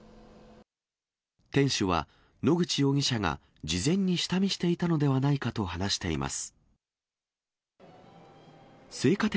店主は、野口容疑者が事前に下見していたのではないかと話しています。